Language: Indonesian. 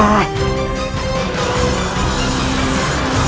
aku tidak percaya